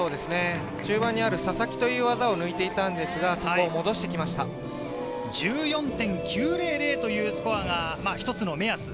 中盤にあるササキという技を抜いていたんですが、そこを戻してきました。１４．９００というスコアが一つの目安。